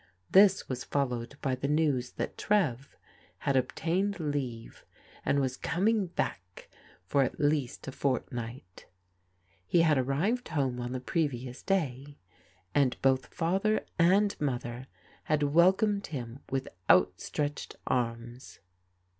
This was followed by the news that Trev had obtained leave and was coming back for at least a fortnight. He bad arrived home on the previous ^"ac^^ ^3cA\jk2{^ 268 PRODIGAL DAUGHTERS father and mother bad welcomed him with outstretched arms.